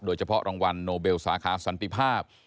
โดยเฉพาะรางวัลโนเบลสาขาสันติภาพ